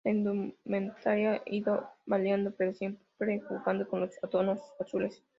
La indumentaria ha ido variando, pero siempre jugando con los tonos azules.